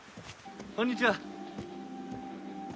こんにちは。